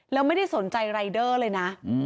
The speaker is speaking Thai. แล้วไม่ได้สนใจรายเดอร์เลยนะ